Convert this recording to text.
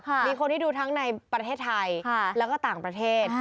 มีคนที่ดูทั้งในประเทศไทยแล้วก็ต่างประเทศ